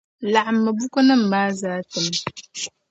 Laɣim bukunima maa zaa n-tima.